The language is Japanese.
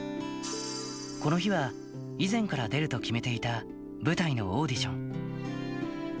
この日は以前から出ると決めていた、舞台のオーディション。